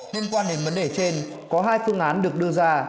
nên quan hệ vấn đề trên có hai phương án được đưa ra